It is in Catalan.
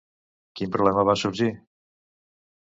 Quin problema va sorgir?